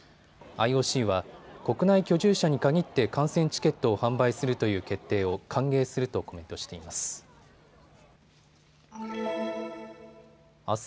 ＩＯＣは、国内居住者に限って観戦チケットを販売するという決定を歓迎するとコメントしています。